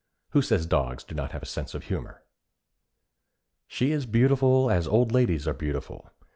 Who says dogs have not a sense of humor? She is beautiful as old ladies are beautiful.